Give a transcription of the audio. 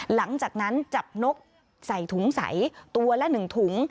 หลังจากนั้นจับนกใส่ถุงใสตัวละ๑ถุง